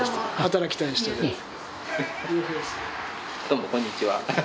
どうもこんにちは。